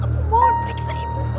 aku mohon periksa ibuku